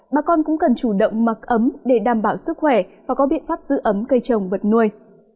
bà con cũng cần chủ động mặc ấm để đảm bảo sức khỏe và có biện pháp giữ ấm cây trồng vật nuôi